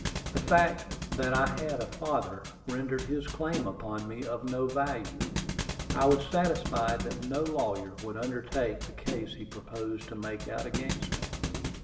The fact that I had a father, rendered his claim upon me of no value. I was satisfied that no lawyer would undertake the case he proposed to make out against me.